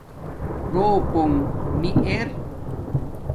روپنگ نی ار